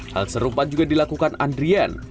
hal serupa juga dilakukan andrian